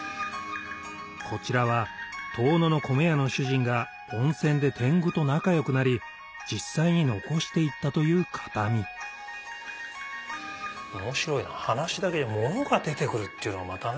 こちらは遠野の米屋の主人が温泉で天狗と仲良くなり実際に残していったという形見面白いな話だけじゃなくものが出てくるっていうのがまたね。